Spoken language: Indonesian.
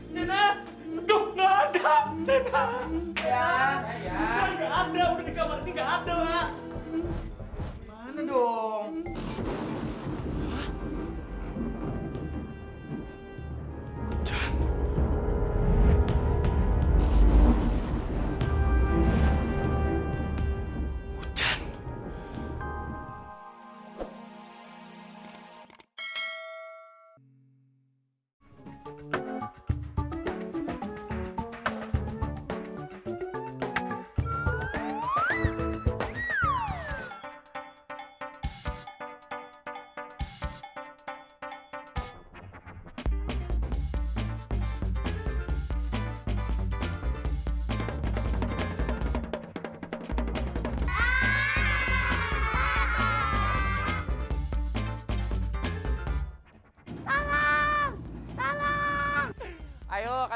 sampai jumpa di video selanjutnya